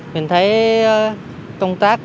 mình thấy công tác